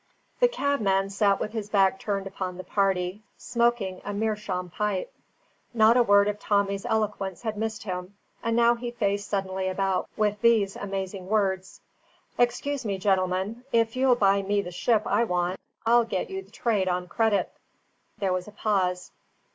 The cabman sat with his back turned upon the party, smoking a meerschaum pipe. Not a word of Tommy's eloquence had missed him, and he now faced suddenly about with these amazing words: "Excuse me, gentlemen; if you'll buy me the ship I want, I'll get you the trade on credit." There was a pause.